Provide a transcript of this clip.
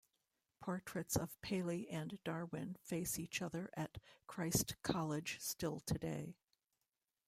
Portraits of Paley and Darwin face each other at Christ College still today.